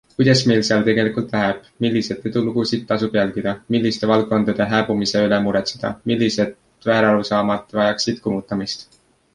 Kuidas meil seal tegelikult läheb, milliseid edulugusid tasub jälgida, milliste valdkondade hääbumise üle muretseda, millised väärarusaamad vajaksid kummutamist.